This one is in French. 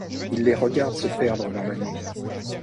Il les regarda se perdre dans la nuit.